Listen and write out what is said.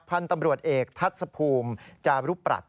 พันธุ์ตำรวจเอกทัศภูมิจารุปรัช